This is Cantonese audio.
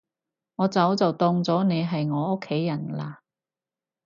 我早就當咗你係我屋企人喇